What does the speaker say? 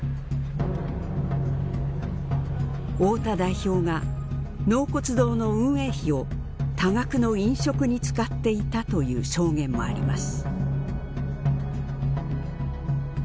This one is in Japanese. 太田代表が納骨堂の運営費を多額の飲食に使っていたという証言もあります。